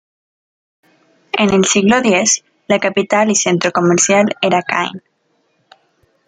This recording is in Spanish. En el siglo X la capital y centro comercial era Kain.